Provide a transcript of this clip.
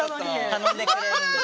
頼んでくれるんです。